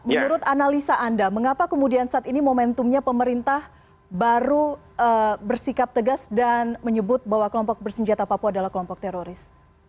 menurut analisa anda mengapa kemudian saat ini momentumnya pemerintah baru bersikap tegas dan menyebut bahwa kelompok bersenjata papua adalah kelompok teroris